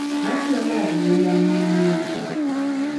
Lwaki toyagala kugenda mu nnimiro?